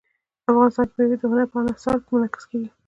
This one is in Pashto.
افغانستان کې مېوې د هنر په اثار کې منعکس کېږي.